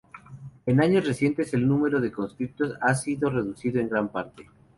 En años recientes el número de conscriptos ha sido reducido en gran parte.